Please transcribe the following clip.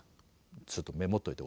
ちょっとメモっといて。